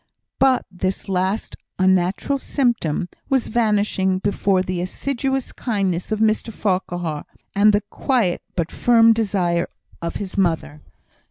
But this last unnatural symptom was vanishing before the assiduous kindness of Mr Farquhar, and the quiet but firm desire of his mother.